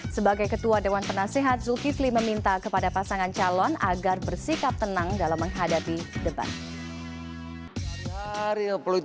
sebagai ketua dewan penasehat zulkifli meminta kepada pasangan calon agar bersikap tenang dalam menghadapi debat